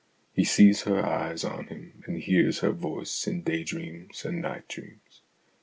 He sees her eyes on him, and hears her voice in day dreams and night dreams.